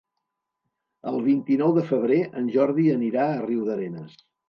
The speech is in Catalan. El vint-i-nou de febrer en Jordi anirà a Riudarenes.